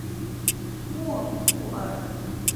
莫库尔。